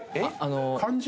漢字？